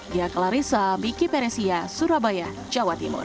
diaklarissa miki peresia surabaya jawa timur